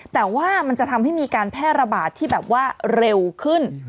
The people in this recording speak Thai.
แต่ว่ามันจะทำให้มีการแพร่ระบาดที่แบบว่าเร็วขึ้น